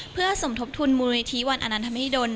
เพื่อสมทบทุนมูลวิธีวันอันธรรมฮิดล